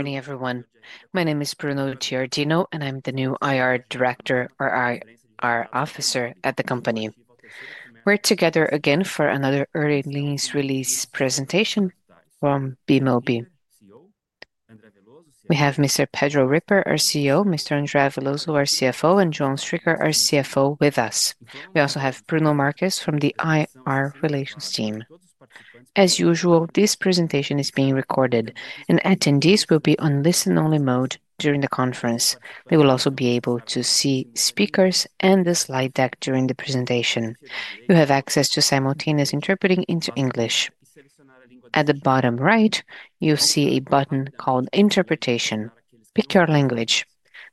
Good morning, everyone. My name is Bruno Giardino, and I'm the new IR Director, or IR Officer, at the company. We're together again for another quarterly results presentation from Bemobi. We have Mr. Pedro Ripper, our CEO; Mr. Andrea Veloso, our CFO; and Joan Stryker, our CFO, with us. We also have Bruno Marquez from the IR Relations team. As usual, this presentation is being recorded, and attendees will be on listen-only mode during the conference. They will also be able to see speakers and the slide deck during the presentation. You have access to simultaneous interpreting into English. At the bottom right, you'll see a button called Interpretation. Pick your language.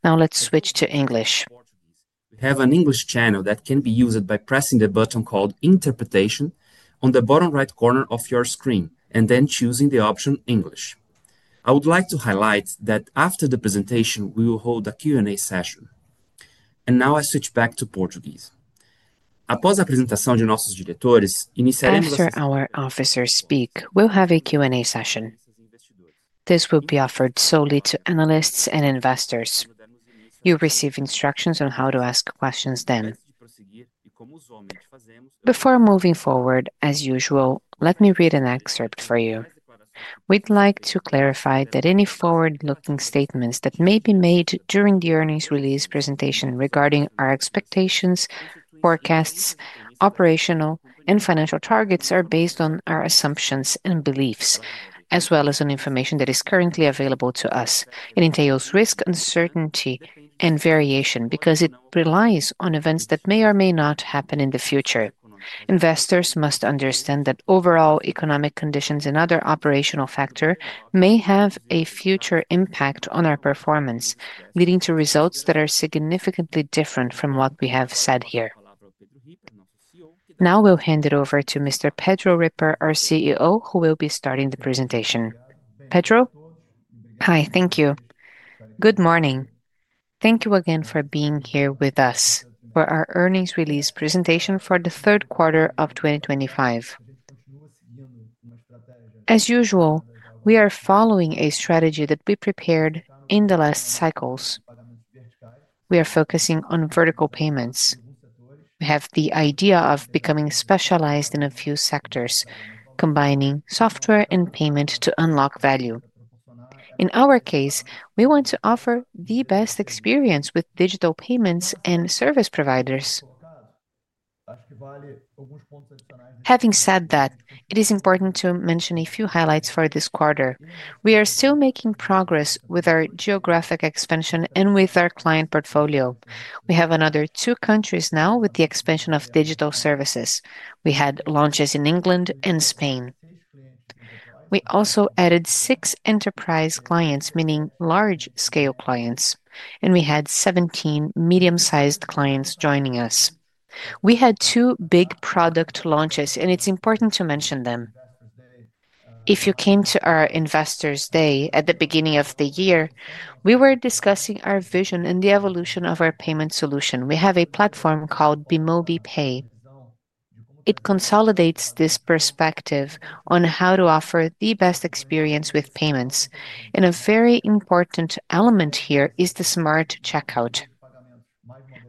Now let's switch to English. We have an English channel that can be used by pressing the button called Interpretation on the bottom right corner of your screen, and then choosing the option English. I would like to highlight that after the presentation, we will hold a Q&A session. And now I switch back to Portuguese. Após a apresentação de nossos diretores, iniciaremos a sessão. After our officers speak, we'll have a Q&A session. This will be offered solely to analysts and investors. You'll receive instructions on how to ask questions then. Before moving forward, as usual, let me read an excerpt for you. We'd like to clarify that any forward-looking statements that may be made during the earnings release presentation regarding our expectations, forecasts, operational, and financial targets are based on our assumptions and beliefs, as well as on information that is currently available to us. It entails risk, uncertainty, and variation because it relies on events that may or may not happen in the future. Investors must understand that overall economic conditions and other operational factors may have a future impact on our performance, leading to results that are significantly different from what we have said here. Now we'll hand it over to Mr. Pedro Ripper, our CEO, who will be starting the presentation. Pedro? Hi, thank you. Good morning. Thank you again for being here with us for our earnings release presentation for the third quarter of 2025. As usual, we are following a strategy that we prepared in the last cycles. We are focusing on vertical payments. We have the idea of becoming specialized in a few sectors, combining software and payment to unlock value. In our case, we want to offer the best experience with digital payments and service providers. Having said that, it is important to mention a few highlights for this quarter. We are still making progress with our geographic expansion and with our client portfolio. We have another two countries now with the expansion of digital services. We had launches in England and Spain. We also added six enterprise clients, meaning large-scale clients, and we had 17 medium-sized clients joining us. We had two big product launches, and it's important to mention them. If you came to our Investors' Day at the beginning of the year, we were discussing our vision and the evolution of our payment solution. We have a platform called Bemobi Pay. It consolidates this perspective on how to offer the best experience with payments. A very important element here is the smart checkout.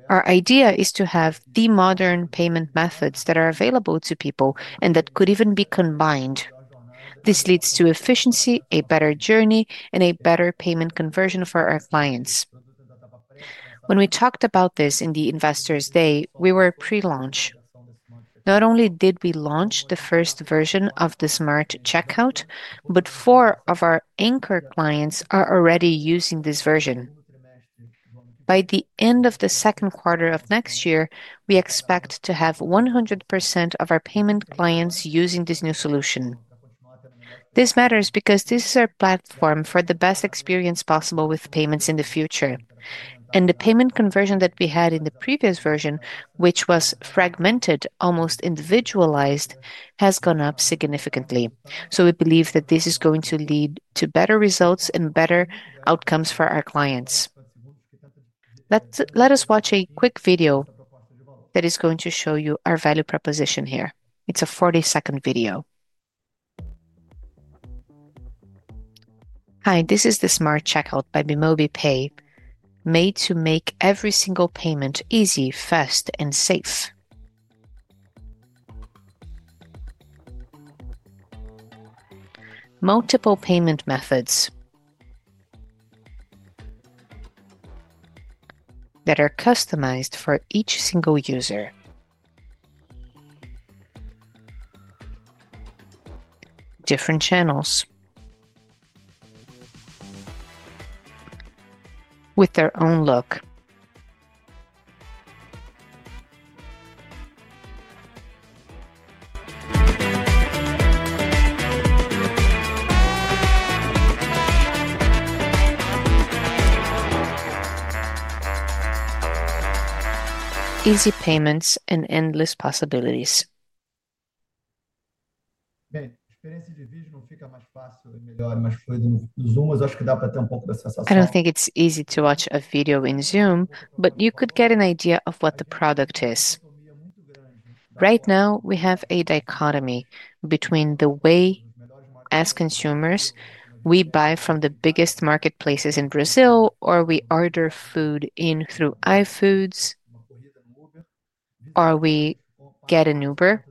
Our idea is to have the modern payment methods that are available to people and that could even be combined. This leads to efficiency, a better journey, and a better payment conversion for our clients. When we talked about this in the Investors' Day, we were pre-launch. Not only did we launch the first version of the smart checkout, but four of our anchor clients are already using this version. By the end of the second quarter of next year, we expect to have 100% of our payment clients using this new solution. This matters because this is our platform for the best experience possible with payments in the future. The payment conversion that we had in the previous version, which was fragmented, almost individualized, has gone up significantly. We believe that this is going to lead to better results and better outcomes for our clients. Let us watch a quick video that is going to show you our value proposition here. It's a 40-second video. Hi, this is the smart checkout by Bemobi Pay, made to make every single payment easy, fast, and safe. Multiple payment methods that are customized for each single user. Different channels with their own look. Easy payments and endless possibilities. I don't think it's easy to watch a video in Zoom, but you could get an idea of what the product is. Right now, we have a dichotomy between the way as consumers we buy from the biggest marketplaces in Brazil, or we order food through iFood, or we get an Uber,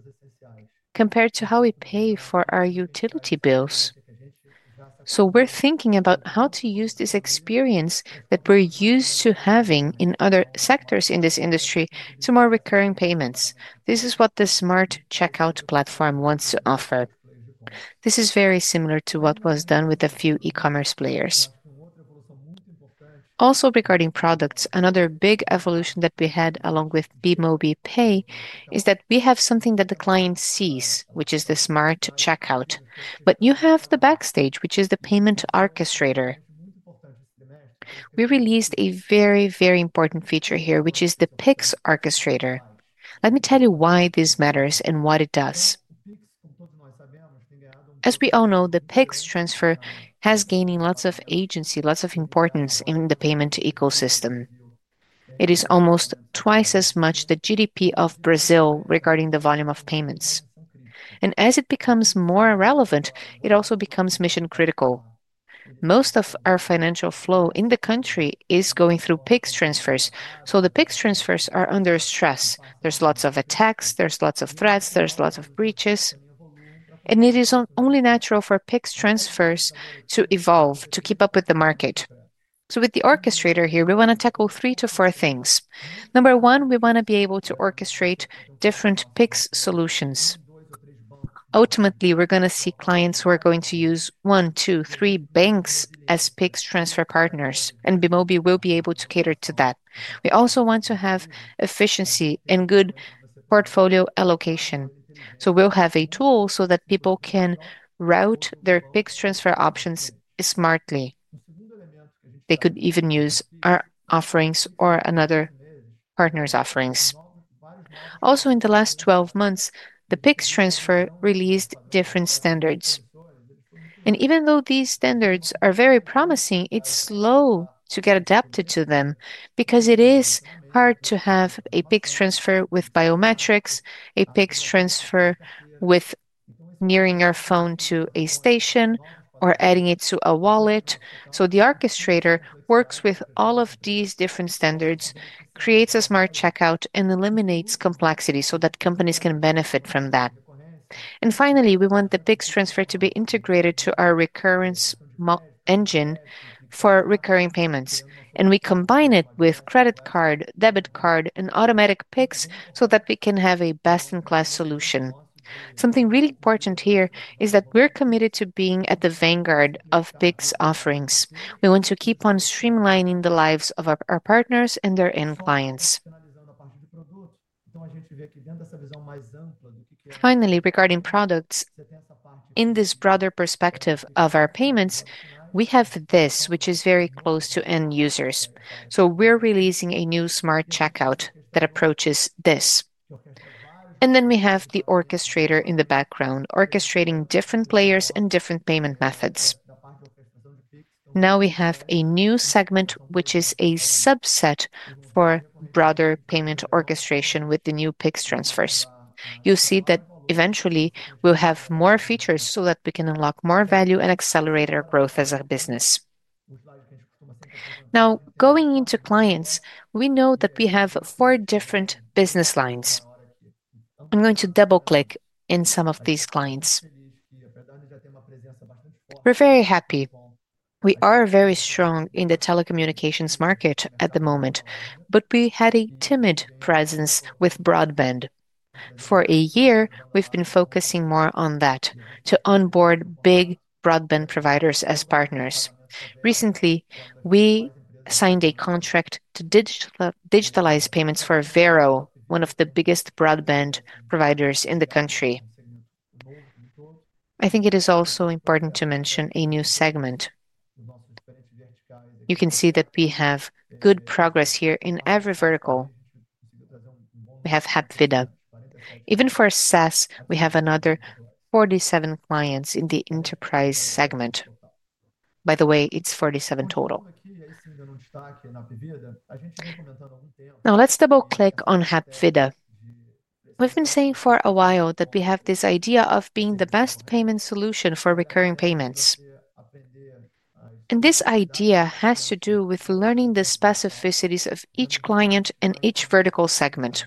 compared to how we pay for our utility bills. So we're thinking about how to use this experience that we're used to having in other sectors in this industry for more recurring payments. This is what the smart checkout platform wants to offer. This is very similar to what was done with a few e-commerce players. Also regarding products, another big evolution that we had along with Bemobi Pay is that we have something that the client sees, which is the smart checkout. But you have the backstage, which is the payment orchestrator. We released a very, very important feature here, which is the PIX orchestrator. Let me tell you why this matters and what it does. As we all know, the PIX transfer has gained lots of agency, lots of importance in the payment ecosystem. It is almost twice as much the GDP of Brazil regarding the volume of payments. As it becomes more relevant, it also becomes mission-critical. Most of our financial flow in the country is going through PIX transfers. The PIX transfers are under stress. There's lots of attacks, there's lots of threats, there's lots of breaches. It is only natural for PIX transfers to evolve, to keep up with the market. With the orchestrator here, we want to tackle three to four things. Number one, we want to be able to orchestrate different PIX solutions. Ultimately, we're going to see clients who are going to use one, two, three banks as PIX transfer partners, and Bemobi will be able to cater to that. We also want to have efficiency and good portfolio allocation. We'll have a tool so that people can route their PIX transfer options smartly. They could even use our offerings or another partner's offerings. Also, in the last 12 months, the PIX transfer released different standards. Even though these standards are very promising, it's slow to get adapted to them because it is hard to have a PIX transfer with biometrics, a PIX transfer with nearing your phone to a station, or adding it to a wallet. The orchestrator works with all of these different standards, creates a smart checkout, and eliminates complexity so that companies can benefit from that. Finally, we want the PIX transfer to be integrated to our recurrence engine for recurring payments. We combine it with credit card, debit card, and automatic PIX so that we can have a best-in-class solution. Something really important here is that we're committed to being at the vanguard of PIX offerings. We want to keep on streamlining the lives of our partners and their end clients. Finally, regarding products, in this broader perspective of our payments, we have this, which is very close to end users. We're releasing a new smart checkout that approaches this. We have the orchestrator in the background, orchestrating different players and different payment methods. Now we have a new segment, which is a subset for broader payment orchestration with the new PIX transfers. You'll see that eventually we'll have more features so that we can unlock more value and accelerate our growth as a business. Now, going into clients, we know that we have four different business lines. I'm going to double-click in some of these clients. We're very happy. We are very strong in the telecommunications market at the moment, but we had a timid presence with broadband. For a year, we've been focusing more on that to onboard big broadband providers as partners. Recently, we signed a contract to digitalize payments for Vero, one of the biggest broadband providers in the country. I think it is also important to mention a new segment. You can see that we have good progress here in every vertical. We have Hapvida. Even for SaaS, we have another 47 clients in the enterprise segment. By the way, it's 47 total. Now, let's double-click on Hapvida. We've been saying for a while that we have this idea of being the best payment solution for recurring payments. This idea has to do with learning the specificities of each client and each vertical segment.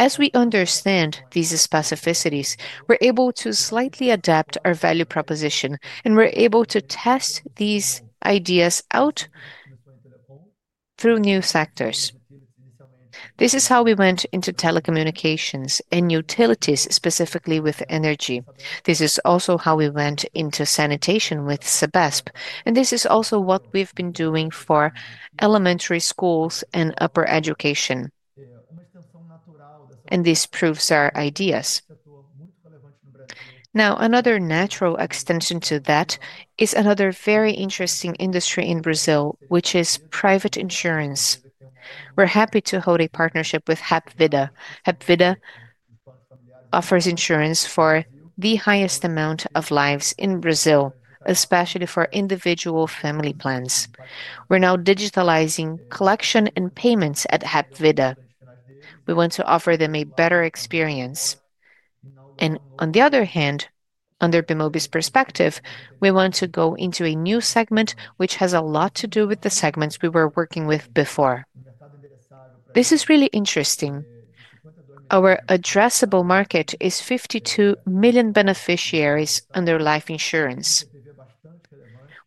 As we understand these specificities, we're able to slightly adapt our value proposition, and we're able to test these ideas out through new sectors. This is how we went into telecommunications and utilities, specifically with energy. This is also how we went into sanitation with Sabesp. This is also what we've been doing for elementary schools and higher education. This proves our ideas. Now, another natural extension to that is another very interesting industry in Brazil, which is private insurance. We're happy to hold a partnership with Hapvida. Hapvida offers insurance for the highest number of lives in Brazil, especially for individual family plans. We're now digitalizing collection and payments at Hapvida. We want to offer them a better experience. On the other hand, under Bemobi's perspective, we want to go into a new segment, which has a lot to do with the segments we were working with before. This is really interesting. Our addressable market is 52 million beneficiaries under life insurance.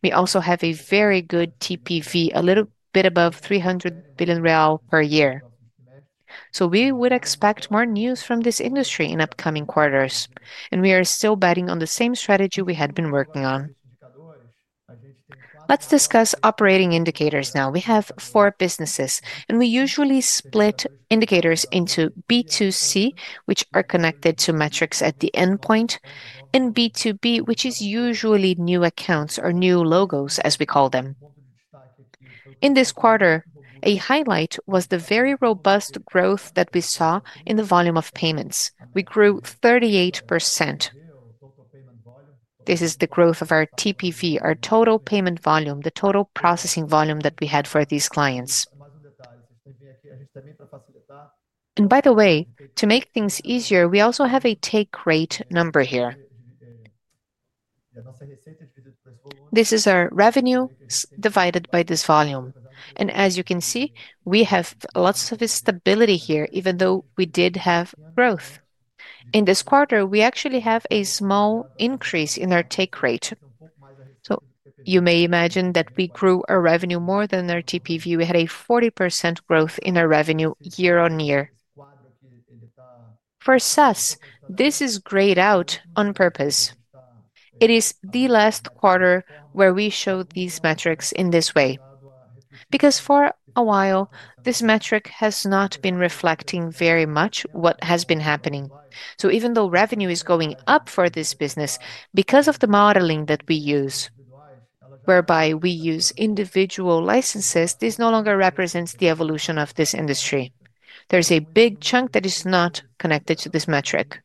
We also have a very good TPV, a little bit above R$300 billion per year. So we would expect more news from this industry in upcoming quarters. We are still betting on the same strategy we had been working on. Let's discuss operating indicators now. We have four businesses, and we usually split indicators into B2C, which are connected to metrics at the end point, and B2B, which is usually new accounts or new logos, as we call them. In this quarter, a highlight was the very robust growth that we saw in the volume of payments. We grew 38%. This is the growth of our TPV, our total payment volume, the total processing volume that we had for these clients. By the way, to make things easier, we also have a take rate number here. This is our revenue divided by this volume. As you can see, we have lots of stability here, even though we did have growth. In this quarter, we actually have a small increase in our take rate. So you may imagine that we grew our revenue more than our TPV. We had a 40% growth in our revenue year on year. For SaaS, this is grayed out on purpose. It is the last quarter where we show these metrics in this way. Because for a while, this metric has not been reflecting very much what has been happening. Even though revenue is going up for this business, because of the modeling that we use, whereby we use individual licenses, this no longer represents the evolution of this industry. There's a big chunk that is not connected to this metric.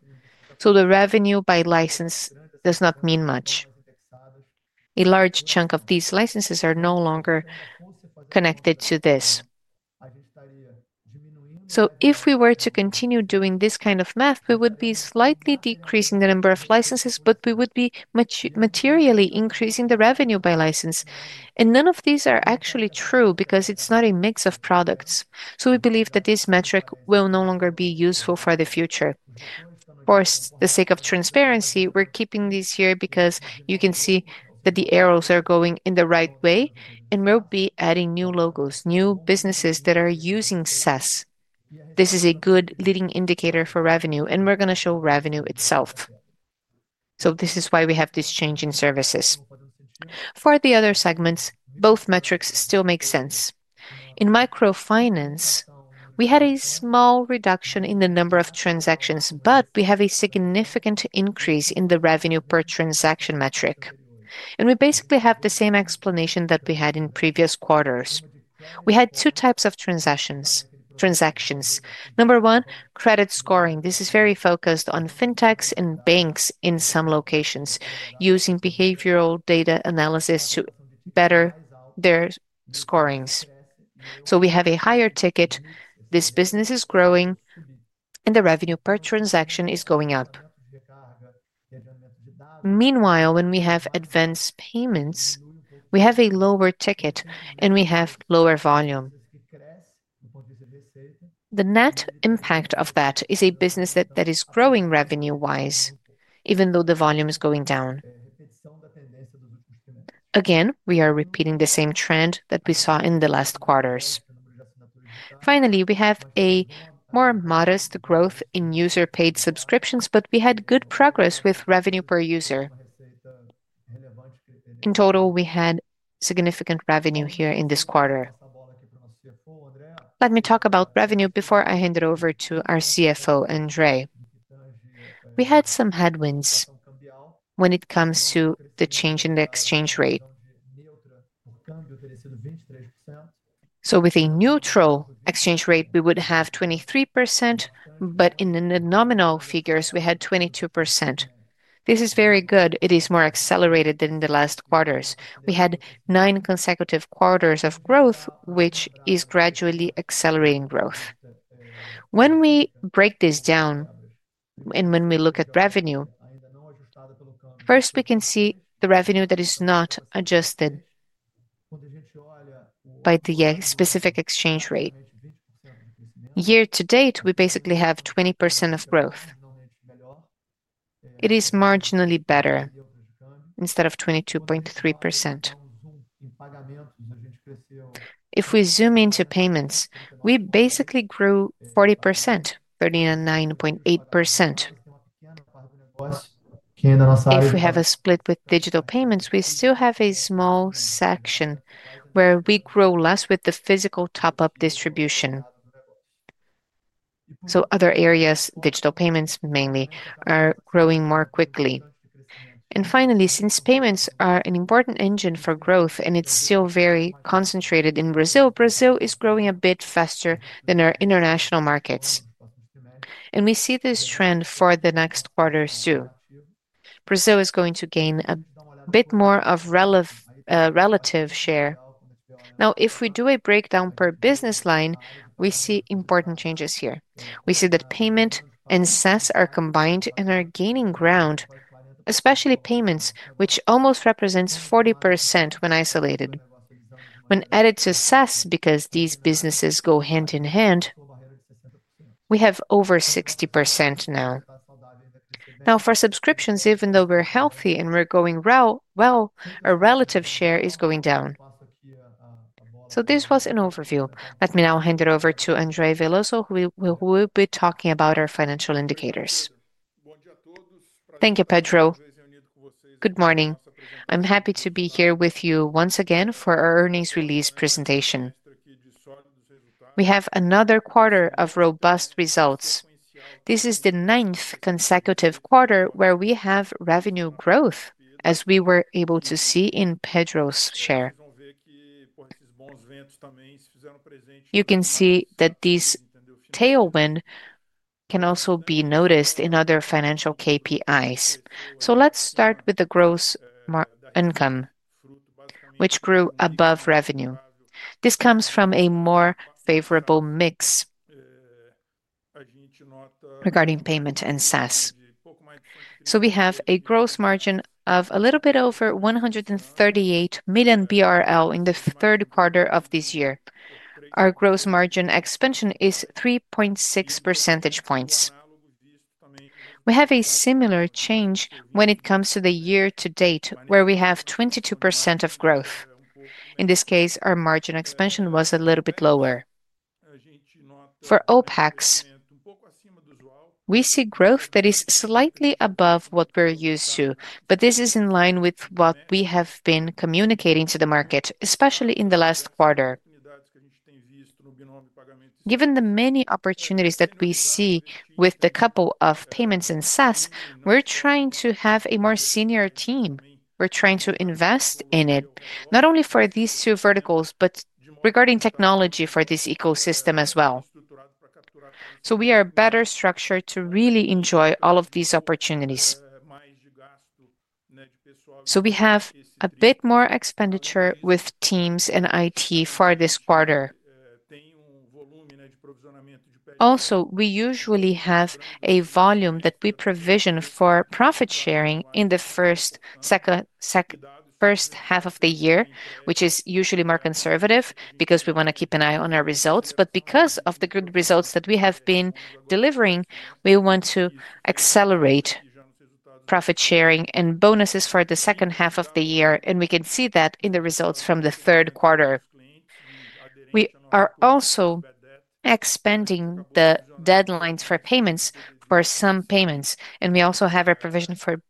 The revenue by license does not mean much. A large chunk of these licenses are no longer connected to this. If we were to continue doing this kind of math, we would be slightly decreasing the number of licenses, but we would be materially increasing the revenue by license. None of these are actually true because it's not a mix of products. We believe that this metric will no longer be useful for the future. For the sake of transparency, we're keeping these here because you can see that the arrows are going in the right way, and we'll be adding new logos, new businesses that are using SaaS. This is a good leading indicator for revenue, and we're going to show revenue itself. So this is why we have this change in services. For the other segments, both metrics still make sense. In microfinance, we had a small reduction in the number of transactions, but we have a significant increase in the revenue per transaction metric. We basically have the same explanation that we had in previous quarters. We had two types of transactions. Number one, credit scoring. This is very focused on fintechs and banks in some locations, using behavioral data analysis to better their scorings. So we have a higher ticket. This business is growing, and the revenue per transaction is going up. Meanwhile, when we have advanced payments, we have a lower ticket, and we have lower volume. The net impact of that is a business that is growing revenue-wise, even though the volume is going down. Again, we are repeating the same trend that we saw in the last quarters. Finally, we have a more modest growth in user-paid subscriptions, but we had good progress with revenue per user. In total, we had significant revenue here in this quarter. Let me talk about revenue before I hand it over to our CFO, Andrei. We had some headwinds when it comes to the change in the exchange rate. With a neutral exchange rate, we would have 23%, but in the nominal figures, we had 22%. This is very good. It is more accelerated than in the last quarters. We had nine consecutive quarters of growth, which is gradually accelerating growth. When we break this down and when we look at revenue, first, we can see the revenue that is not adjusted by the specific exchange rate. Year to date, we basically have 20% growth. It is marginally better instead of 22.3%. If we zoom into payments, we basically grew 40%, 39.8%. If we have a split with digital payments, we still have a small section where we grow less with the physical top-up distribution. Other areas, digital payments mainly, are growing more quickly. Finally, since payments are an important engine for growth and it's still very concentrated in Brazil, Brazil is growing a bit faster than our international markets. We see this trend for the next quarter too. Brazil is going to gain a bit more of a relative share. Now, if we do a breakdown per business line, we see important changes here. We see that payment and SaaS are combined and are gaining ground, especially payments, which almost represents 40% when isolated. When added to SaaS, because these businesses go hand in hand, we have over 60% now. For subscriptions, even though we're healthy and we're going well, our relative share is going down. This was an overview. Let me now hand it over to Andrei Veloso, who will be talking about our financial indicators. Thank you, Pedro. Good morning. I'm happy to be here with you once again for our earnings release presentation. We have another quarter of robust results. This is the ninth consecutive quarter where we have revenue growth, as we were able to see in Pedro's share. You can see that this tailwind can also be noticed in other financial KPIs. Let's start with the gross income, which grew above revenue. This comes from a more favorable mix regarding payment and SaaS. We have a gross margin of a little bit over R$138 million in the third quarter of this year. Our gross margin expansion is 3.6 percentage points. We have a similar change when it comes to the year to date, where we have 22% of growth. In this case, our margin expansion was a little bit lower. For OPEX, we see growth that is slightly above what we're used to, but this is in line with what we have been communicating to the market, especially in the last quarter. Given the many opportunities that we see with the couple of payments and SaaS, we're trying to have a more senior team. We're trying to invest in it, not only for these two verticals, but regarding technology for this ecosystem as well. We are better structured to really enjoy all of these opportunities. We have a bit more expenditure with teams and IT for this quarter. Also, we usually have a volume that we provision for profit sharing in the first half of the year, which is usually more conservative because we want to keep an eye on our results. But because of the good results that we have been delivering, we want to accelerate profit sharing and bonuses for the second half of the year. We can see that in the results from the third quarter. We are also expanding the deadlines for payments for some payments. We also have a provision for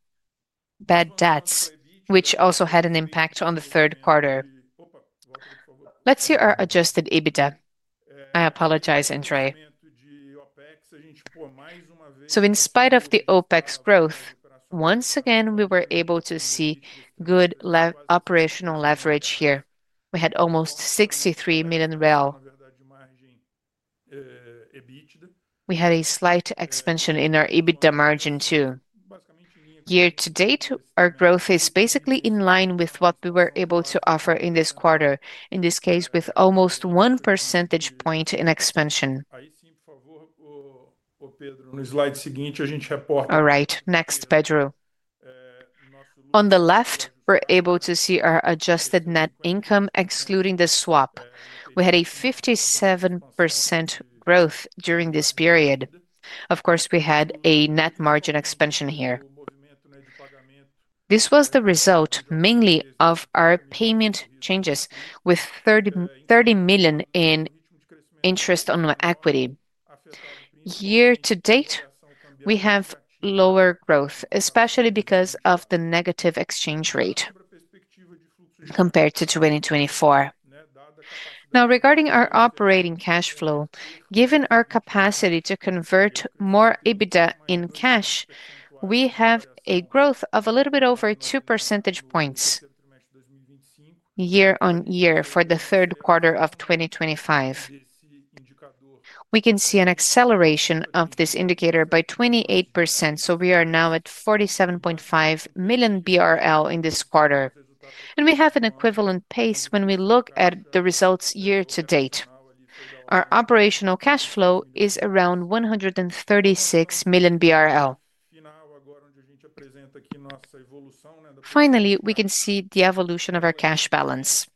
bad debts, which also had an impact on the third quarter. Let's see our adjusted EBITDA. I apologize, Andrei. In spite of the OPEX growth, once again, we were able to see good operational leverage here. We had almost R$63 million. We had a slight expansion in our EBITDA margin too. Year to date, our growth is basically in line with what we were able to offer in this quarter, in this case, with almost one percentage point in expansion. Next, Pedro. On the left, we're able to see our adjusted net income, excluding the swap. We had a 57% growth during this period. We had a net margin expansion here. This was the result mainly of our payment changes, with R$30 million in interest on equity. Year to date, we have lower growth, especially because of the negative exchange rate compared to 2024. Now, regarding our operating cash flow, given our capacity to convert more EBITDA in cash, we have a growth of a little bit over 2 percentage points year on year for the third quarter of 2025. We can see an acceleration of this indicator by 28%. We are now at 47.5 million BRL in this quarter. We have an equivalent pace when we look at the results year to date. Our operational cash flow is around 136 million BRL. Finally, we can see the evolution of our cash balance.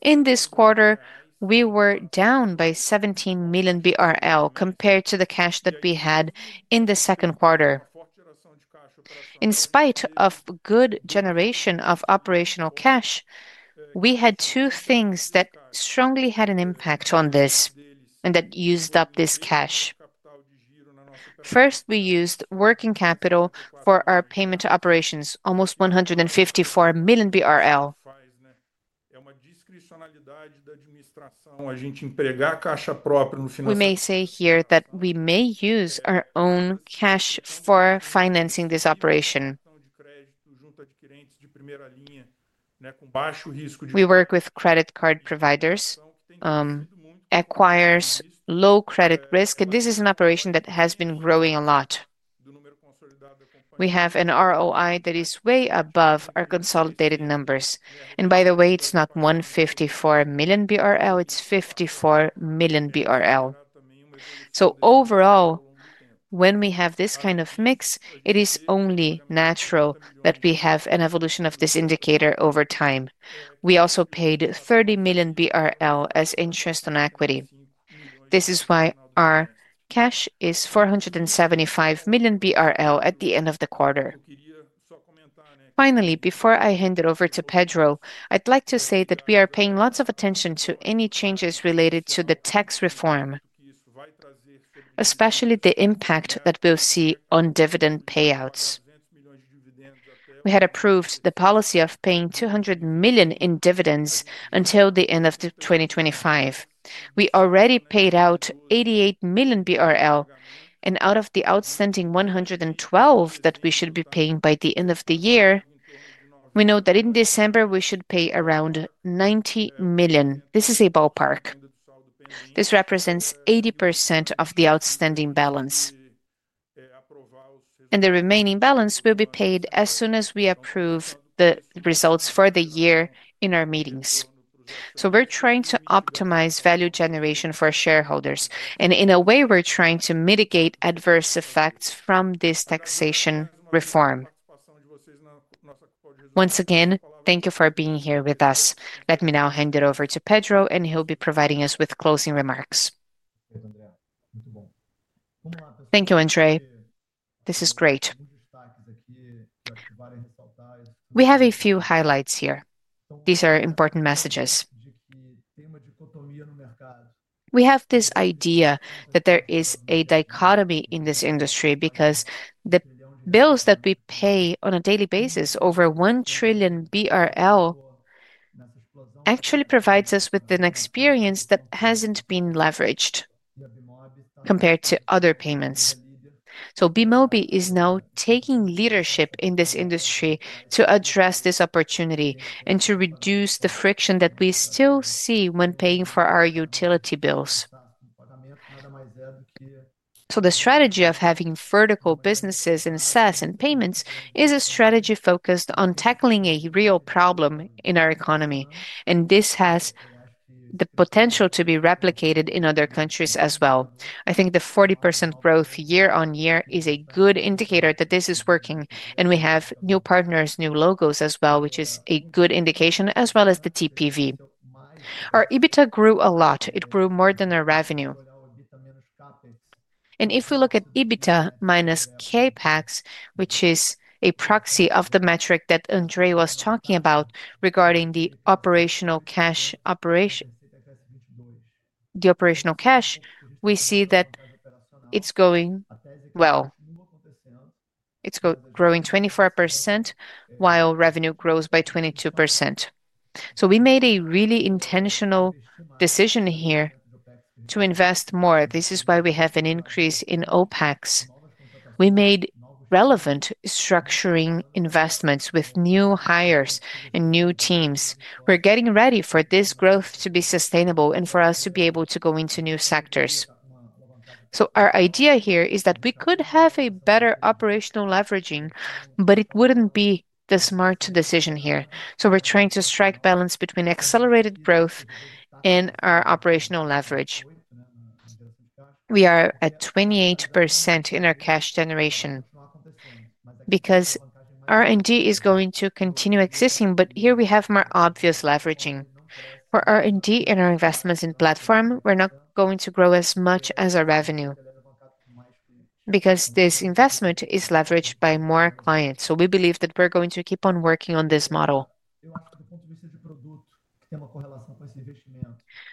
In this quarter, we were down by 17 million BRL compared to the cash that we had in the second quarter. In spite of good generation of operational cash, we had two things that strongly had an impact on this and that used up this cash. First, we used working capital for our payment operations, almost 154 million BRL. We may say here that we may use our own cash for financing this operation. We work with credit card providers, acquiring low credit risk, and this is an operation that has been growing a lot. We have an ROI that is way above our consolidated numbers. And by the way, it's not R$154 million, it's R$54 million. So overall, when we have this kind of mix, it is only natural that we have an evolution of this indicator over time. We also paid R$30 million as interest on equity. This is why our cash is R$475 million at the end of the quarter. Finally, before I hand it over to Pedro, I'd like to say that we are paying lots of attention to any changes related to the tax reform, especially the impact that we'll see on dividend payouts. We had approved the policy of paying $200 million in dividends until the end of 2025. We already paid out $88 million BRL. Out of the outstanding $112 million that we should be paying by the end of the year, we know that in December we should pay around $90 million. This is a ballpark. This represents 80% of the outstanding balance. The remaining balance will be paid as soon as we approve the results for the year in our meetings. We're trying to optimize value generation for shareholders. In a way, we're trying to mitigate adverse effects from this taxation reform. Once again, thank you for being here with us. Let me now hand it over to Pedro, and he'll be providing us with closing remarks. Thank you, Andrei. This is great. We have a few highlights here. These are important messages. We have this idea that there is a dichotomy in this industry because the bills that we pay on a daily basis over 1 trillion BRL actually provide us with an experience that hasn't been leveraged compared to other payments. BMOBI is now taking leadership in this industry to address this opportunity and to reduce the friction that we still see when paying for our utility bills. The strategy of having vertical businesses in SaaS and payments is a strategy focused on tackling a real problem in our economy. This has the potential to be replicated in other countries as well. I think the 40% growth year on year is a good indicator that this is working. We have new partners, new logos as well, which is a good indication, as well as the TPV. Our EBITDA grew a lot. It grew more than our revenue. If we look at EBITDA minus CAPEX, which is a proxy of the metric that Andrei was talking about regarding the operational cash operation, the operational cash, we see that it's going well. It's growing 24% while revenue grows by 22%. We made a really intentional decision here to invest more. This is why we have an increase in OPEX. We made relevant structuring investments with new hires and new teams. We're getting ready for this growth to be sustainable and for us to be able to go into new sectors. Our idea here is that we could have a better operational leveraging, but it wouldn't be the smart decision here. We're trying to strike balance between accelerated growth and our operational leverage. We are at 28% in our cash generation because R&D is going to continue existing, but here we have more obvious leveraging. For R&D and our investments in platform, we're not going to grow as much as our revenue because this investment is leveraged by more clients. So we believe that we're going to keep on working on this model.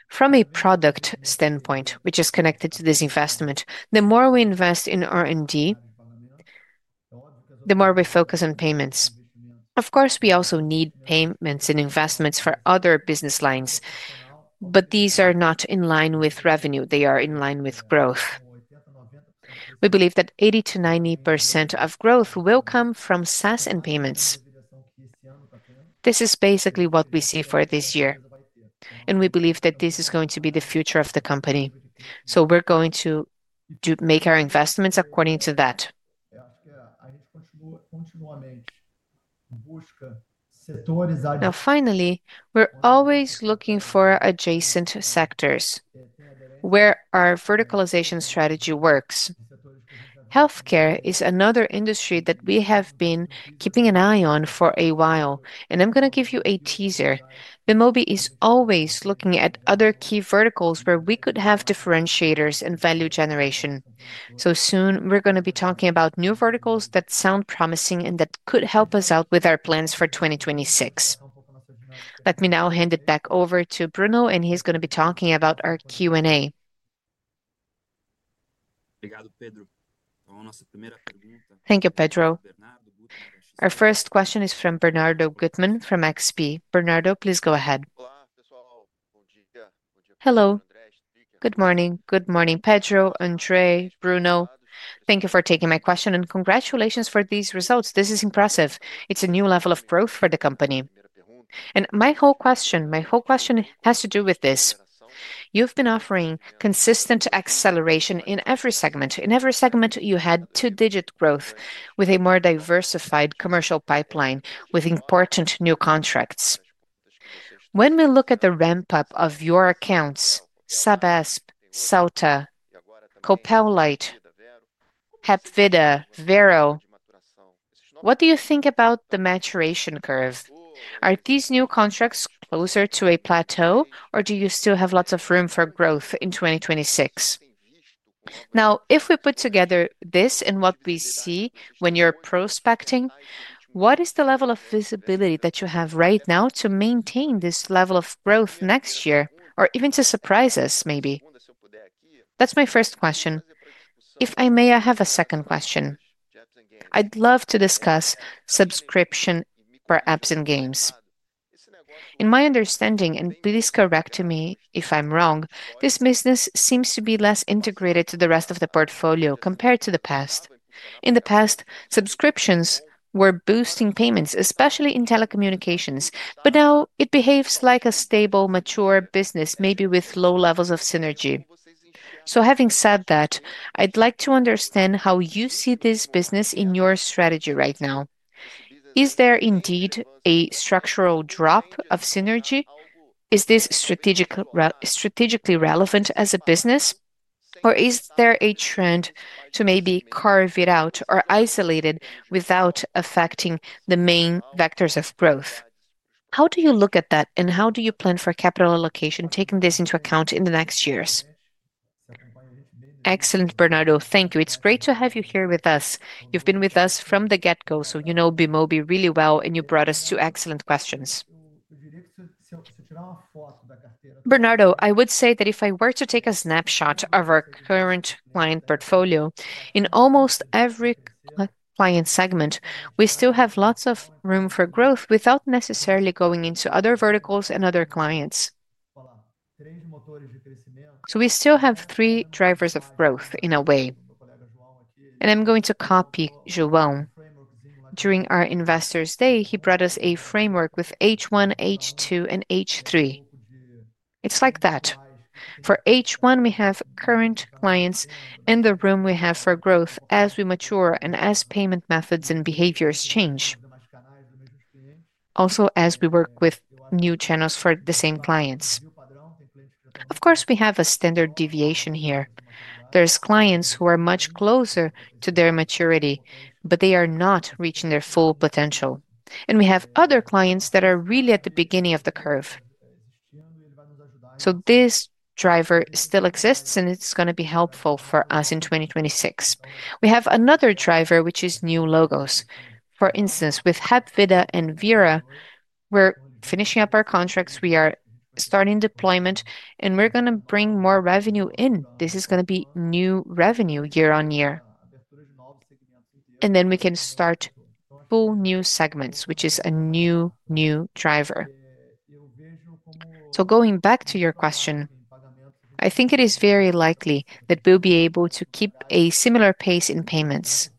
From a product standpoint, which is connected to this investment, the more we invest in R&D, the more we focus on payments. Of course, we also need payments and investments for other business lines, but these are not in line with revenue. They are in line with growth. We believe that 80% to 90% of growth will come from SaaS and payments. This is basically what we see for this year. We believe that this is going to be the future of the company. So we're going to make our investments according to that. Now, finally, we're always looking for adjacent sectors where our verticalization strategy works. Healthcare is another industry that we have been keeping an eye on for a while. I'm going to give you a teaser. Bemobi is always looking at other key verticals where we could have differentiators and value generation. Soon, we're going to be talking about new verticals that sound promising and that could help us out with our plans for 2026. Let me now hand it back over to Bruno, and he's going to be talking about our Q&A. Thank you, Pedro. Our first question is from Bernardo Gutmann from XP. Bernardo, please go ahead. Hello. Good morning. Good morning, Pedro, Andrei, Bruno. Thank you for taking my question and congratulations for these results. This is impressive. It's a new level of growth for the company. My whole question has to do with this. You've been offering consistent acceleration in every segment. In every segment, you had two-digit growth with a more diversified commercial pipeline with important new contracts. When we look at the ramp-up of your accounts, Sabesp, Celta, Copelite, Hepvida, Vero, what do you think about the maturation curve? Are these new contracts closer to a plateau, or do you still have lots of room for growth in 2026? Now, if we put together this and what we see when you're prospecting, what is the level of visibility that you have right now to maintain this level of growth next year, or even to surprise us, maybe? That's my first question. If I may, I have a second question. I'd love to discuss subscription for apps and games. In my understanding, and please correct me if I'm wrong, this business seems to be less integrated to the rest of the portfolio compared to the past. In the past, subscriptions were boosting payments, especially in telecommunications, but now it behaves like a stable, mature business, maybe with low levels of synergy. Having said that, I'd like to understand how you see this business in your strategy right now. Is there indeed a structural drop of synergy? Is this strategically relevant as a business, or is there a trend to maybe carve it out or isolate it without affecting the main vectors of growth? How do you look at that, and how do you plan for capital allocation, taking this into account in the next years? Excellent, Bernardo. Thank you. It's great to have you here with us. You've been with us from the get-go, so you know Bemobi really well, and you brought us two excellent questions. Bernardo, I would say that if I were to take a snapshot of our current client portfolio, in almost every client segment, we still have lots of room for growth without necessarily going into other verticals and other clients. So we still have three drivers of growth in a way. I'm going to copy João. During our investors' day, he brought us a framework with H1, H2, and H3. It's like that. For H1, we have current clients and the room we have for growth as we mature and as payment methods and behaviors change. Also, as we work with new channels for the same clients. Of course, we have a standard deviation here. There are clients who are much closer to their maturity, but they are not reaching their full potential. We have other clients that are really at the beginning of the curve. This driver still exists, and it's going to be helpful for us in 2026. We have another driver, which is new logos. For instance, with Hepvida and Vera, we're finishing up our contracts. We are starting deployment, and we're going to bring more revenue in. This is going to be new revenue year on year. Then we can start full new segments, which is a new driver. Going back to your question, I think it is very likely that we'll be able to keep a similar pace in payments.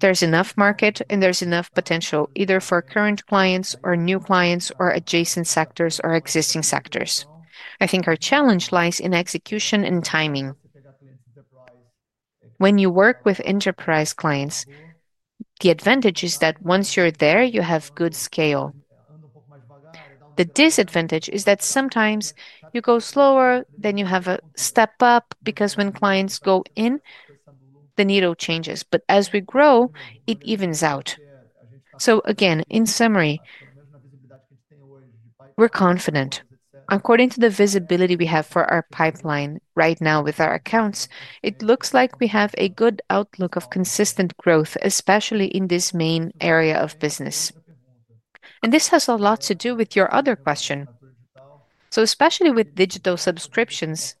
There's enough market, and there's enough potential either for current clients or new clients or adjacent sectors or existing sectors. I think our challenge lies in execution and timing. When you work with enterprise clients, the advantage is that once you're there, you have good scale. The disadvantage is that sometimes you go slower, then you have a step up because when clients go in, the needle changes. But as we grow, it evens out. Again, in summary, we're confident. According to the visibility we have for our pipeline right now with our accounts, it looks like we have a good outlook of consistent growth, especially in this main area of business. This has a lot to do with your other question. Especially with digital subscriptions,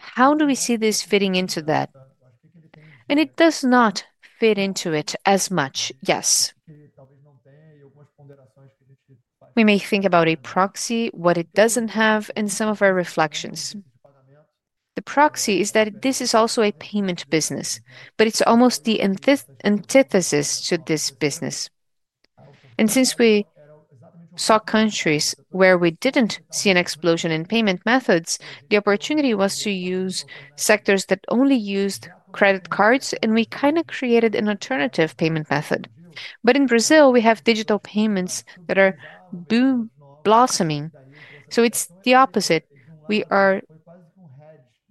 how do we see this fitting into that? It does not fit into it as much, yes. We may think about a proxy, what it doesn't have, and some of our reflections. The proxy is that this is also a payment business, but it's almost the antithesis to this business. Since we saw countries where we didn't see an explosion in payment methods, the opportunity was to use sectors that only used credit cards, and we kind of created an alternative payment method. But in Brazil, we have digital payments that are blossoming. So it's the opposite. We are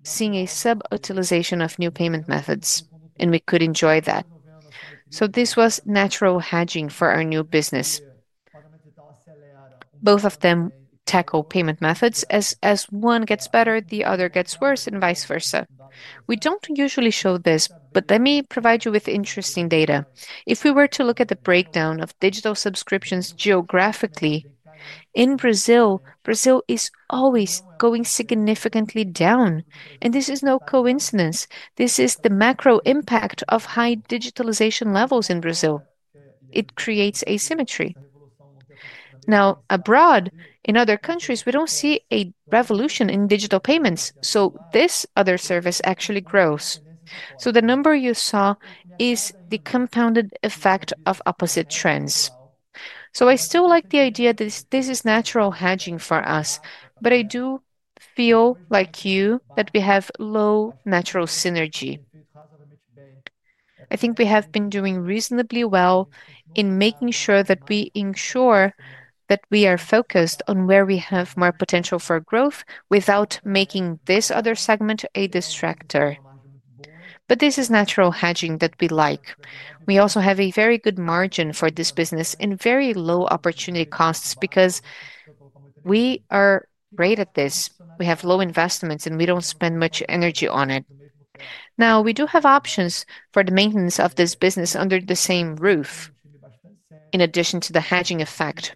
seeing a sub-utilization of new payment methods, and we could enjoy that. So this was natural hedging for our new business. Both of them tackle payment methods. As one gets better, the other gets worse, and vice versa. We don't usually show this, but let me provide you with interesting data. If we were to look at the breakdown of digital subscriptions geographically, in Brazil, Brazil is always going significantly down. This is no coincidence. This is the macro impact of high digitalization levels in Brazil. It creates asymmetry. Now, abroad, in other countries, we don't see a revolution in digital payments. So this other service actually grows. So the number you saw is the compounded effect of opposite trends. So I still like the idea that this is natural hedging for us, but I do feel like you that we have low natural synergy. I think we have been doing reasonably well in making sure that we ensure that we are focused on where we have more potential for growth without making this other segment a distractor. But this is natural hedging that we like. We also have a very good margin for this business and very low opportunity costs because we are great at this. We have low investments, and we don't spend much energy on it. Now, we do have options for the maintenance of this business under the same roof, in addition to the hedging effect.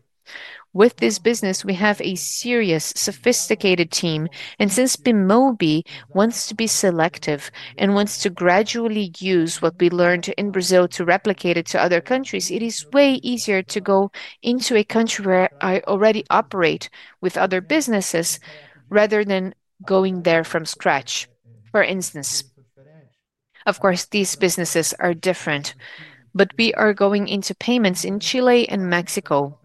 With this business, we have a serious, sophisticated team. Since Bemobi wants to be selective and wants to gradually use what we learned in Brazil to replicate it to other countries, it is way easier to go into a country where I already operate with other businesses rather than going there from scratch, for instance. Of course, these businesses are different, but we are going into payments in Chile and Mexico.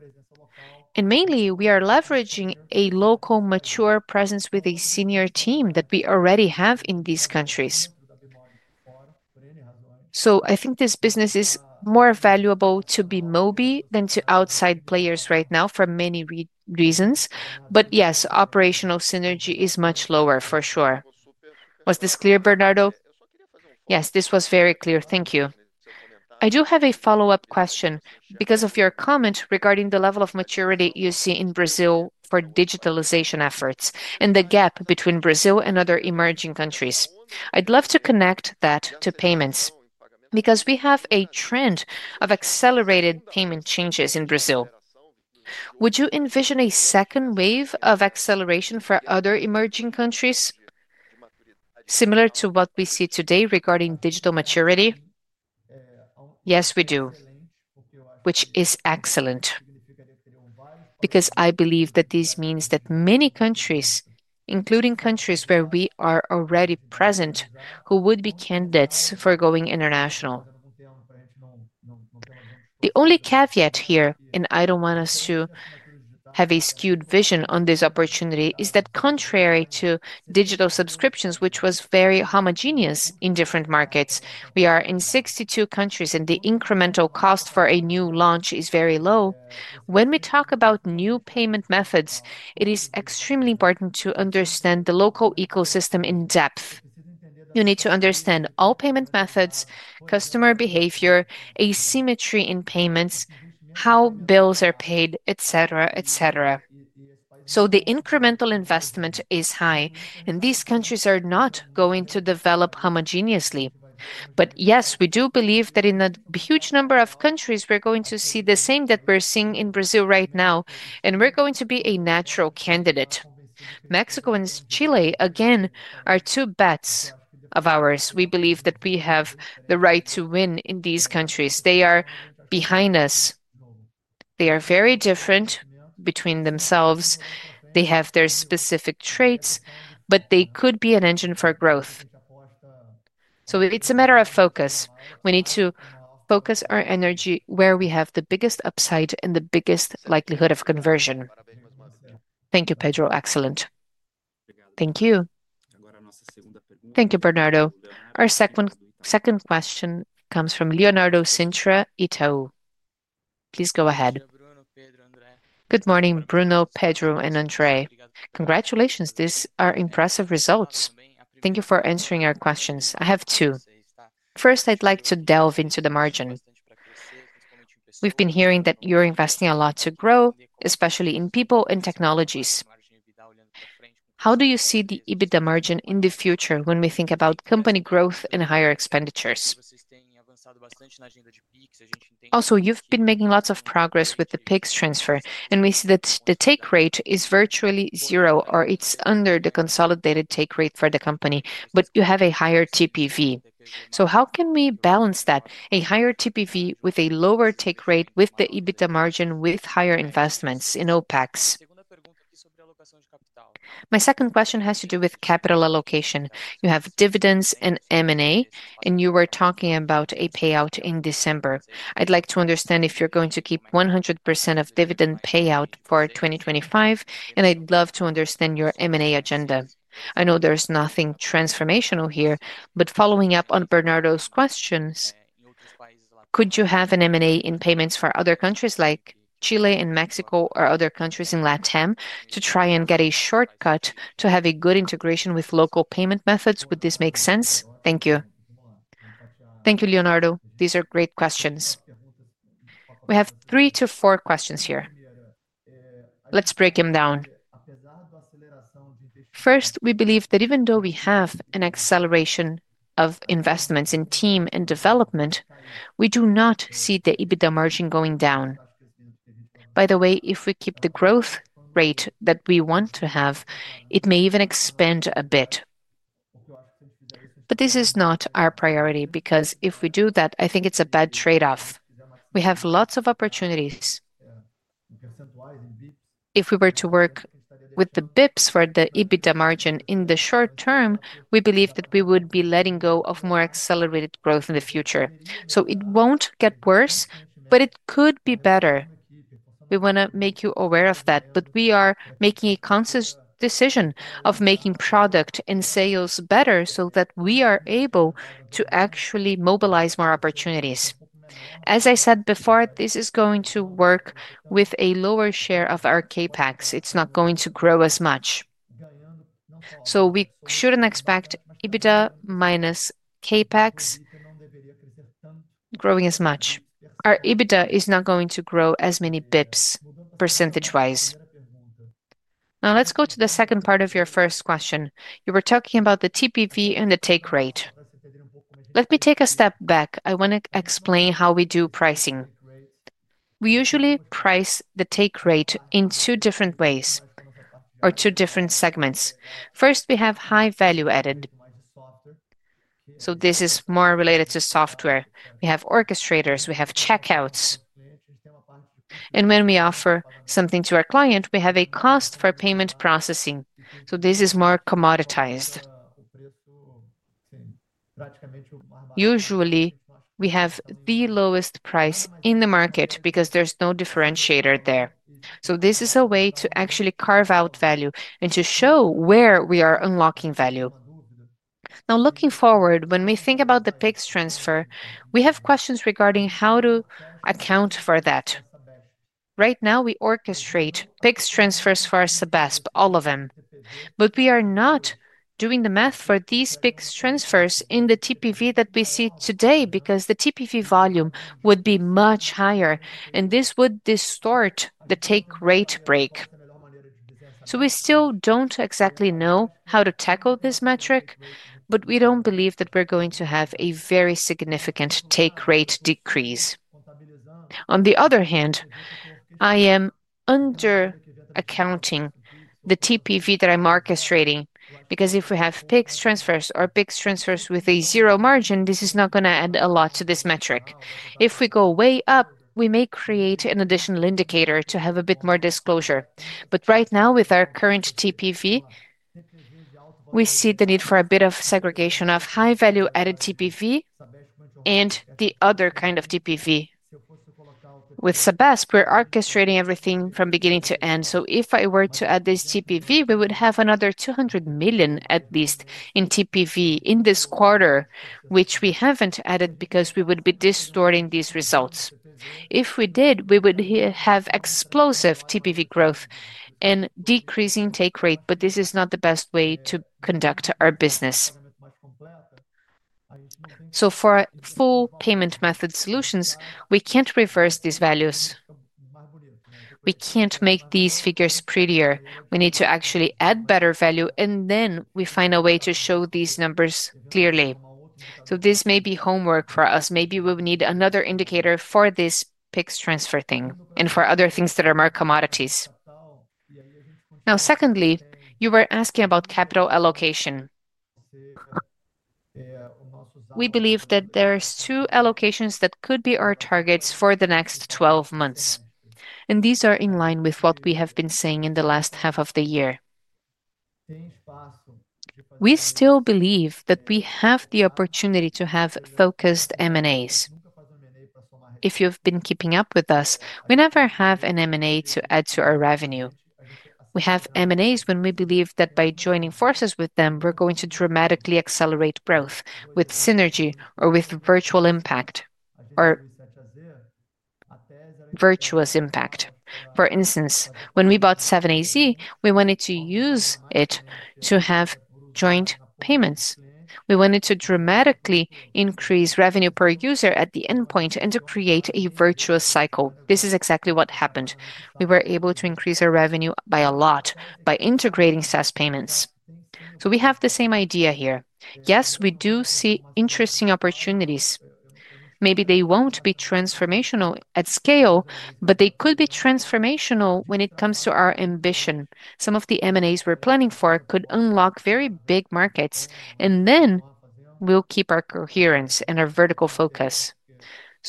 Mainly, we are leveraging a local mature presence with a senior team that we already have in these countries. So I think this business is more valuable to Bemobi than to outside players right now for many reasons. But yes, operational synergy is much lower, for sure. Was this clear, Bernardo? Yes, this was very clear. Thank you. I do have a follow-up question because of your comment regarding the level of maturity you see in Brazil for digitalization efforts and the gap between Brazil and other emerging countries. I'd love to connect that to payments because we have a trend of accelerated payment changes in Brazil. Would you envision a second wave of acceleration for other emerging countries, similar to what we see today regarding digital maturity? Yes, we do, which is excellent because I believe that this means that many countries, including countries where we are already present, would be candidates for going international. The only caveat here, and I don't want us to have a skewed vision on this opportunity, is that contrary to digital subscriptions, which was very homogeneous in different markets, we are in 62 countries, and the incremental cost for a new launch is very low. When we talk about new payment methods, it is extremely important to understand the local ecosystem in depth. You need to understand all payment methods, customer behavior, asymmetry in payments, how bills are paid, etc. The incremental investment is high, and these countries are not going to develop homogeneously. But yes, we do believe that in a huge number of countries, we're going to see the same that we're seeing in Brazil right now, and we're going to be a natural candidate. Mexico and Chile, again, are two bets of ours. We believe that we have the right to win in these countries. They are behind us. They are very different between themselves. They have their specific traits, but they could be an engine for growth. It's a matter of focus. We need to focus our energy where we have the biggest upside and the biggest likelihood of conversion. Thank you, Pedro. Excellent. Thank you. Thank you, Bernardo. Our second question comes from Leonardo Sintra Itau. Please go ahead. Good morning, Bruno, Pedro, and André. Congratulations. These are impressive results. Thank you for answering our questions. I have two. First, I'd like to delve into the margin. We've been hearing that you're investing a lot to grow, especially in people and technologies. How do you see the EBITDA margin in the future when we think about company growth and higher expenditures? Also, you've been making lots of progress with the PIX transfer, and we see that the take rate is virtually zero, or it's under the consolidated take rate for the company, but you have a higher TPV. How can we balance that, a higher TPV with a lower take rate with the EBITDA margin, with higher investments in OPEX? My second question has to do with capital allocation. You have dividends and M&A, and you were talking about a payout in December. I'd like to understand if you're going to keep 100% of dividend payout for 2025, and I'd love to understand your M&A agenda. I know there's nothing transformational here, but following up on Bernardo's questions, could you have an M&A in payments for other countries like Chile and Mexico or other countries in LATAM to try and get a shortcut to have a good integration with local payment methods? Would this make sense? Thank you. Thank you, Leonardo. These are great questions. We have three to four questions here. Let's break them down. First, we believe that even though we have an acceleration of investments in team and development, we do not see the EBITDA margin going down. By the way, if we keep the growth rate that we want to have, it may even expand a bit. But this is not our priority because if we do that, I think it's a bad trade-off. We have lots of opportunities. If we were to work with the BIPs for the EBITDA margin in the short term, we believe that we would be letting go of more accelerated growth in the future. So it won't get worse, but it could be better. We want to make you aware of that, but we are making a conscious decision of making product and sales better so that we are able to actually mobilize more opportunities. As I said before, this is going to work with a lower share of our CAPEX. It's not going to grow as much. So we shouldn't expect EBITDA minus CAPEX growing as much. Our EBITDA is not going to grow as many basis points percentage-wise. Now let's go to the second part of your first question. You were talking about the TPV and the take rate. Let me take a step back. I want to explain how we do pricing. We usually price the take rate in two different ways or two different segments. First, we have high value added. So this is more related to software. We have orchestrators. We have checkouts. When we offer something to our client, we have a cost for payment processing. So this is more commoditized. Usually, we have the lowest price in the market because there's no differentiator there. This is a way to actually carve out value and to show where we are unlocking value. Looking forward, when we think about the PIX transfer, we have questions regarding how to account for that. Right now, we orchestrate PIX transfers for SEBESP, all of them. But we are not doing the math for these PIX transfers in the TPV that we see today because the TPV volume would be much higher, and this would distort the take rate break. We still don't exactly know how to tackle this metric, but we don't believe that we're going to have a very significant take rate decrease. On the other hand, I am under accounting the TPV that I'm orchestrating because if we have PIX transfers or PIX transfers with a zero margin, this is not going to add a lot to this metric. If we go way up, we may create an additional indicator to have a bit more disclosure. But right now, with our current TPV, we see the need for a bit of segregation of high value added TPV and the other kind of TPV. With SEBESP, we're orchestrating everything from beginning to end. So if I were to add this TPV, we would have another $200 million at least in TPV in this quarter, which we haven't added because we would be distorting these results. If we did, we would have explosive TPV growth and decreasing take rate, but this is not the best way to conduct our business. So for full payment method solutions, we can't reverse these values. We can't make these figures prettier. We need to actually add better value, and then we find a way to show these numbers clearly. This may be homework for us. Maybe we will need another indicator for this PIX transfer thing and for other things that are more commodities. Secondly, you were asking about capital allocation. We believe that there are two allocations that could be our targets for the next 12 months, and these are in line with what we have been saying in the last half of the year. We still believe that we have the opportunity to have focused M&As. If you've been keeping up with us, we never have an M&A to add to our revenue. We have M&As when we believe that by joining forces with them, we're going to dramatically accelerate growth with synergy or with virtual impact or virtuous impact. For instance, when we bought 7AZ, we wanted to use it to have joint payments. We wanted to dramatically increase revenue per user at the endpoint and to create a virtuous cycle. This is exactly what happened. We were able to increase our revenue by a lot by integrating SaaS payments. So we have the same idea here. Yes, we do see interesting opportunities. Maybe they won't be transformational at scale, but they could be transformational when it comes to our ambition. Some of the M&As we're planning for could unlock very big markets, and then we'll keep our coherence and our vertical focus.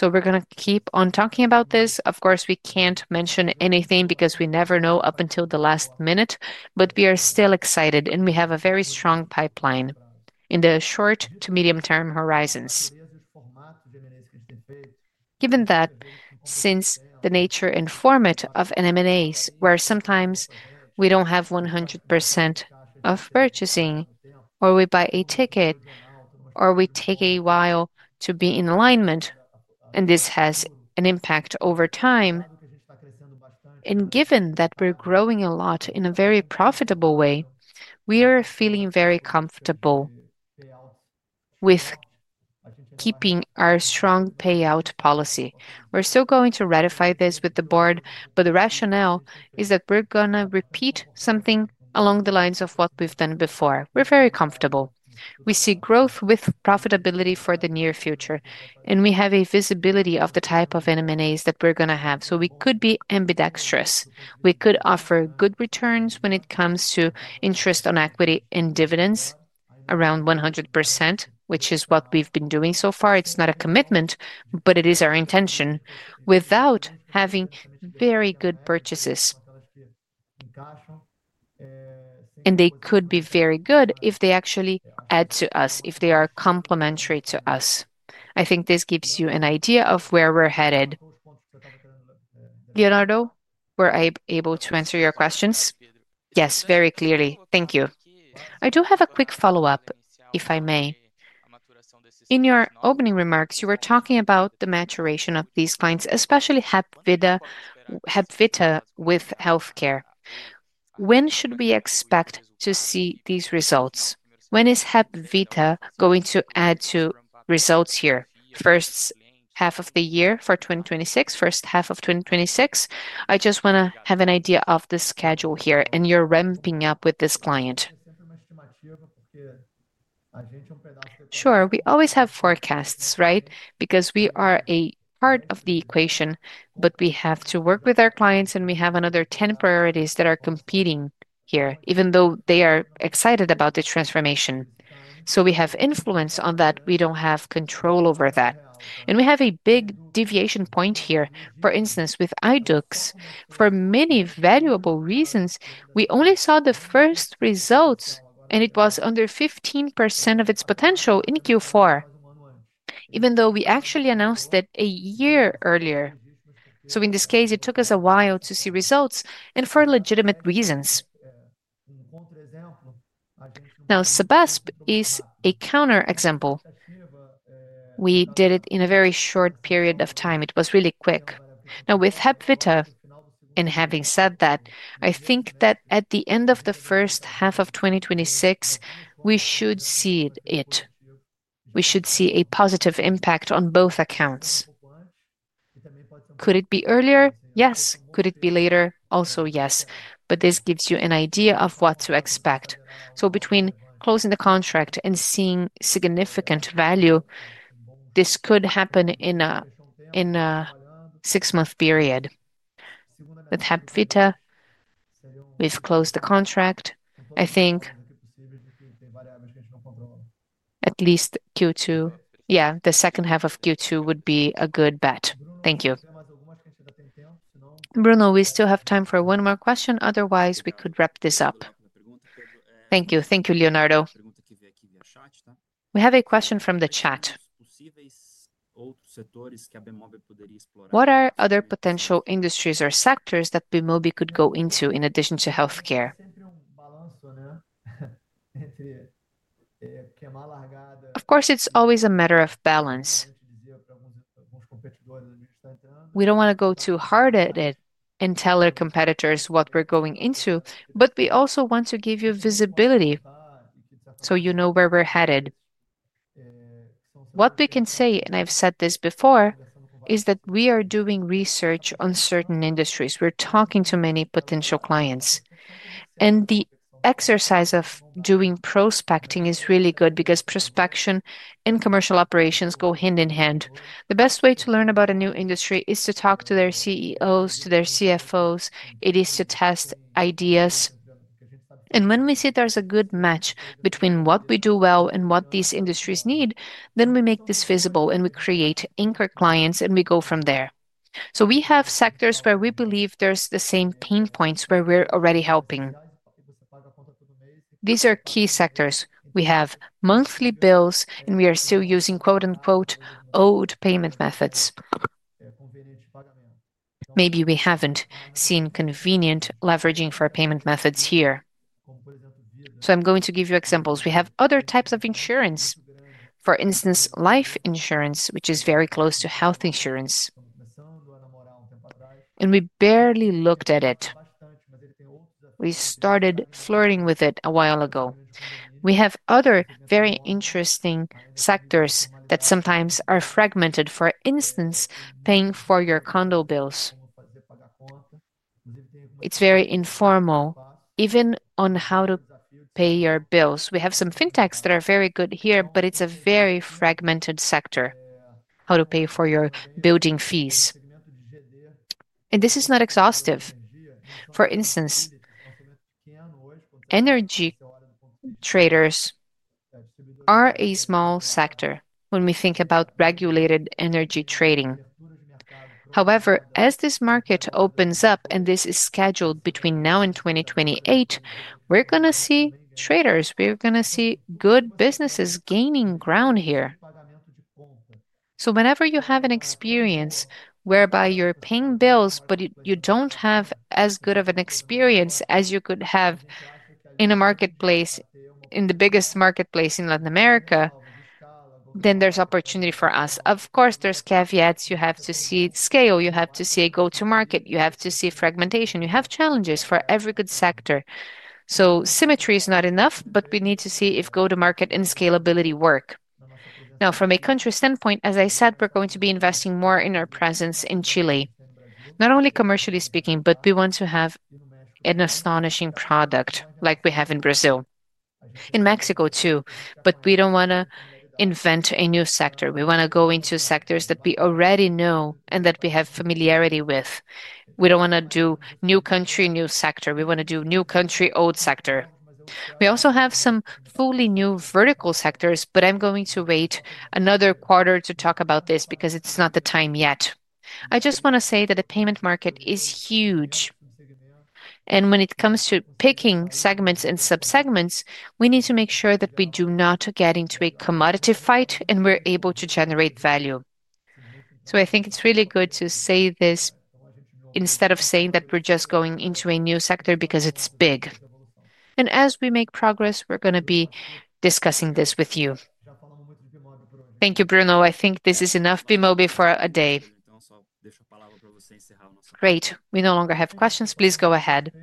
We're going to keep on talking about this. Of course, we can't mention anything because we never know up until the last minute, but we are still excited, and we have a very strong pipeline in the short to medium-term horizons. Given that, since the nature and format of M&As, where sometimes we don't have 100% of purchasing, or we buy a ticket, or we take a while to be in alignment, and this has an impact over time, and given that we're growing a lot in a very profitable way, we are feeling very comfortable with keeping our strong payout policy. We're still going to ratify this with the board, but the rationale is that we're going to repeat something along the lines of what we've done before. We're very comfortable. We see growth with profitability for the near future, and we have a visibility of the type of M&As that we're going to have. So we could be ambidextrous. We could offer good returns when it comes to interest on equity and dividends around 100%, which is what we've been doing so far. It's not a commitment, but it is our intention without having very good purchases. They could be very good if they actually add to us, if they are complementary to us. I think this gives you an idea of where we're headed. Leonardo, were I able to answer your questions? Yes, very clearly. Thank you. I do have a quick follow-up, if I may. In your opening remarks, you were talking about the maturation of these clients, especially Hebvita with healthcare. When should we expect to see these results? When is Hebvita going to add to results here? First half of the year for 2026, first half of 2026? I just want to have an idea of the schedule here, and you're ramping up with this client. Sure, we always have forecasts, right? Because we are a part of the equation, but we have to work with our clients, and we have another 10 priorities that are competing here, even though they are excited about the transformation. So we have influence on that. We don't have control over that. And we have a big deviation point here. For instance, with iDux, for many valuable reasons, we only saw the first results, and it was under 15% of its potential in Q4, even though we actually announced it a year earlier. So in this case, it took us a while to see results, and for legitimate reasons. Now, SEBESP is a counterexample. We did it in a very short period of time. It was really quick. Now, with Hebvita, and having said that, I think that at the end of the first half of 2026, we should see it. We should see a positive impact on both accounts. Could it be earlier? Yes. Could it be later? Also, yes. But this gives you an idea of what to expect. So between closing the contract and seeing significant value, this could happen in a six-month period. With Hebvita, we've closed the contract. I think at least Q2, yeah, the second half of Q2 would be a good bet. Thank you. Bruno, we still have time for one more question. Otherwise, we could wrap this up. Thank you. Thank you, Leonardo. We have a question from the chat. What are other potential industries or sectors that Bemobi could go into in addition to healthcare? Of course, it's always a matter of balance. We don't want to go too hard at it and tell our competitors what we're going into, but we also want to give you visibility so you know where we're headed. What we can say, and I've said this before, is that we are doing research on certain industries. We're talking to many potential clients. The exercise of doing prospecting is really good because prospection and commercial operations go hand in hand. The best way to learn about a new industry is to talk to their CEOs, to their CFOs. It is to test ideas. When we see there's a good match between what we do well and what these industries need, then we make this visible and we create anchor clients and we go from there. So we have sectors where we believe there's the same pain points where we're already helping. These are key sectors. We have monthly bills and we are still using quote-unquote old payment methods. Maybe we haven't seen convenient leveraging for payment methods here. I'm going to give you examples. We have other types of insurance, for instance, life insurance, which is very close to health insurance. We barely looked at it. We started flirting with it a while ago. We have other very interesting sectors that sometimes are fragmented, for instance, paying for your condo bills. It's very informal, even on how to pay your bills. We have some fintechs that are very good here, but it's a very fragmented sector. How to pay for your building fees. This is not exhaustive. For instance, energy traders are a small sector when we think about regulated energy trading. However, as this market opens up and this is scheduled between now and 2028, we're going to see traders, we're going to see good businesses gaining ground here. So whenever you have an experience whereby you're paying bills, but you don't have as good of an experience as you could have in a marketplace, in the biggest marketplace in Latin America, then there's opportunity for us. Of course, there's caveats. You have to see scale, you have to see a go-to-market, you have to see fragmentation, you have challenges for every good sector. So symmetry is not enough, but we need to see if go-to-market and scalability work. Now, from a country standpoint, as I said, we're going to be investing more in our presence in Chile, not only commercially speaking, but we want to have an astonishing product like we have in Brazil. In Mexico too, but we don't want to invent a new sector. We want to go into sectors that we already know and that we have familiarity with. We don't want to do new country, new sector. We want to do new country, old sector. We also have some fully new vertical sectors, but I'm going to wait another quarter to talk about this because it's not the time yet. I just want to say that the payment market is huge. When it comes to picking segments and subsegments, we need to make sure that we do not get into a commodity fight and we're able to generate value. I think it's really good to say this instead of saying that we're just going into a new sector because it's big. As we make progress, we're going to be discussing this with you. Thank you, Bruno. I think this is enough Bemobi for a day. Great. We no longer have questions. Please go ahead.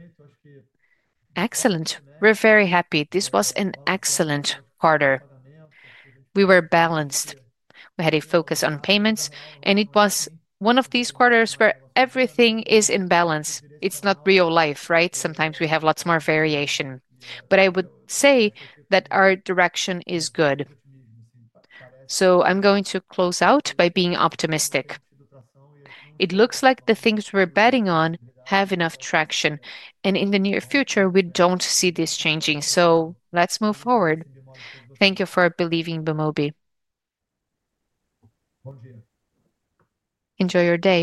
Excellent. We're very happy. This was an excellent quarter. We were balanced. We had a focus on payments, and it was one of these quarters where everything is in balance. It's not real life, right? Sometimes we have lots more variation. But I would say that our direction is good. I'm going to close out by being optimistic. It looks like the things we're betting on have enough traction, and in the near future, we don't see this changing. Let's move forward. Thank you for believing Bemobi. Enjoy your day.